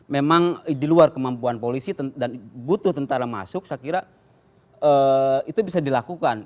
memang di luar kemampuan polisi dan butuh tentara masuk saya kira itu bisa dilakukan